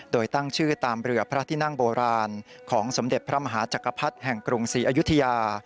โดยตั้งชื่อตามเรือพระที่นั่งโบราณของสมเด็จพระมหาจักรพรรดิแห่งกรุงศรีอยุธยา